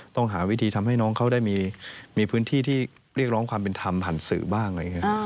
ต้องหาวิธีทำให้น้องเขาได้มีพื้นที่ที่เรียกร้องความเป็นธรรมผ่านสื่อบ้างอะไรอย่างนี้